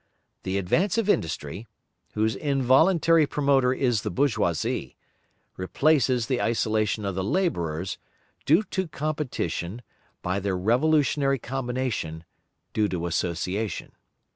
The advance of industry, whose involuntary promoter is the bourgeoisie, replaces the isolation of the labourers, due to competition, by their revolutionary combination, due to association.